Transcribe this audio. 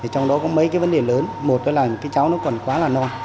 trong đó có mấy cái vấn đề lớn một là cái cháu nó còn quá là non